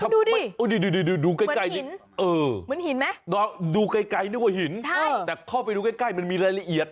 ดูดิเหมือนหินดูใกล้นึกว่าหินแต่เข้าไปดูใกล้มันมีรายละเอียด